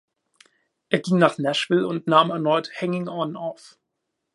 Er ging nach Nashville und nahm erneut "Hangin’ On" auf.